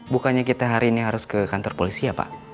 bukannya kita hari ini harus ke kantor polisi ya pak